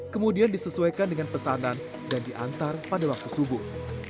kemudian disesuaikan dengan pesanan dan diantar pada waktu subuh